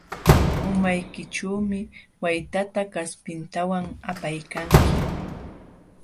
Umaykićhuumi waytata kaspintawan apaykanki.